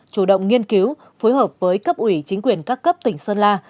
chủ động nghiên cứu phối hợp với cấp ủy chính quyền các cấp tỉnh sơn la